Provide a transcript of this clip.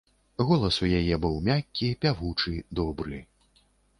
Голас у яе быў мяккі, пявучы, добры.